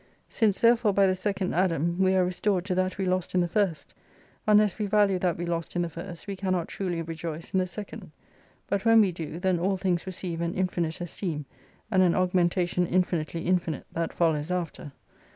Since therefore by the Second Adam, we are restored to that we lost in the first : unless we value that we lost in the first, we cannot truly rejoice in the second. But when we do, then all things receive an infinite esteem, and an augmentation infinitely infinite, that follows after.